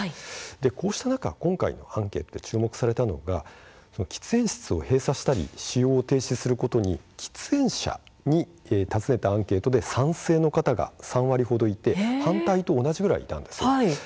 こうした中、今回のアンケートで注目されたのが喫煙室を閉鎖したり使用を停止することに非喫煙者に尋ねたアンケートで賛成の方が３割ほどいて反対と同じぐらいいたんです。